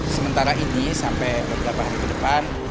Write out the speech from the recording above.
sementara ini sampai beberapa hari ke depan